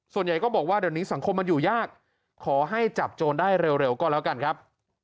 ส่วนใหญ่ก็บอกว่าเดี๋ยวนี้สังคมมันอยู่ยากขอให้จับโจรได้เร็วก็แล้วกันครับ